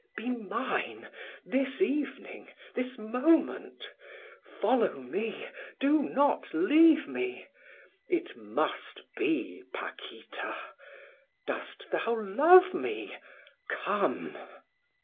"Be mine this evening, this moment; follow me, do not leave me! It must be, Paquita! Dost thou love me? Come!"